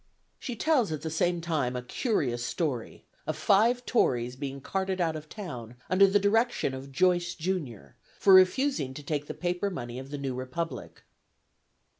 She tells at the same time a curious story, of five Tories being carted out of town under the direction of "Joice junior," for refusing to take the paper money of the new Republic.